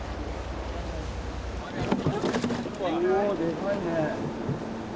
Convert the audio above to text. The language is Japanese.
おでかいね。